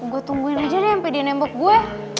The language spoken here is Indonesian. gue tungguin aja deh sampe dia nembak gue